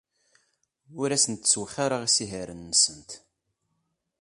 Ur asent-ttwexxireɣ isihaṛen-nsent.